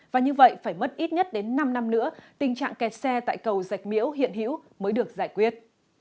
và như vậy phải mất ít nhất đến năm năm nữa tình trạng kẹt xe tại cầu dạch miễu hiện hữu mới được giải quyết